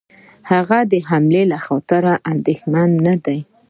هغه د حملې له خطر څخه اندېښمن نه دی.